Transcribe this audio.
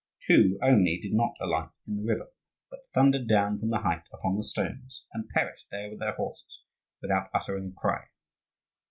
Two only did not alight in the river, but thundered down from the height upon the stones, and perished there with their horses without uttering a cry.